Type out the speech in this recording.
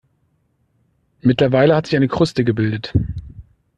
Mittlerweile hat sich eine Kruste gebildet.